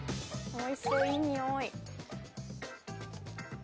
おいしそういい匂い。